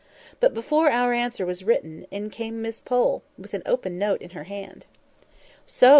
But before our answer was written, in came Miss Pole, with an open note in her hand. "So!"